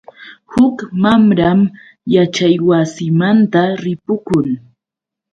Huk mamram yaćhaywasimanta ripukun.